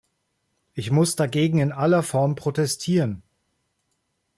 Ich muss dagegen in aller Form protestieren.